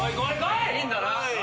いいんだな？